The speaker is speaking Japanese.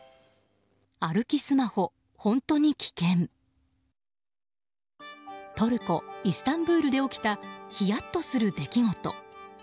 トルコイスタンブールで起きたヒヤッとする出来事。